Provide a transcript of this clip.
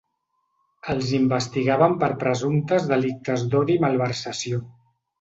Els investigaven per presumptes delictes d’odi i malversació.